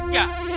jadi udah mampir